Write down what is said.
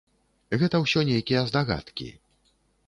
Гэта ўсё нейкія здагадкі.